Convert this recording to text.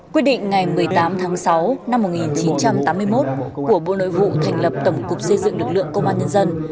quyết định ngày một mươi tám tháng sáu năm một nghìn chín trăm tám mươi một của bộ nội vụ thành lập tổng cục xây dựng lực lượng công an nhân dân